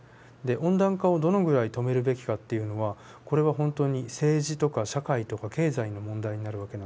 温暖化をどのぐらい止めるべきかっていうのはこれは本当に政治とか社会とか経済の問題になる訳なんです。